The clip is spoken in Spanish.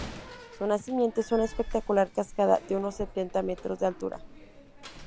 Su nacimiento es una espectacular cascada de unos setenta metros de altura.